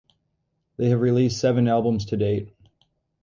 They have released seven albums to date.